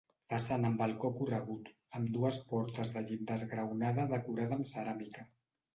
Façana amb balcó corregut, amb dues portes de llinda esgraonada decorada amb ceràmica.